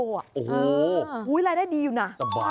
โอ้โหรายได้ดีอยู่นะ